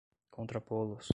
contrapô-los